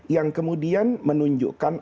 yang kemudian menunjukkan